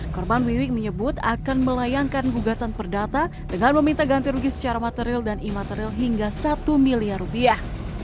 korban wiwing menyebut akan melayangkan gugatan perdata dengan meminta ganti rugi secara material dan imaterial hingga satu miliar rupiah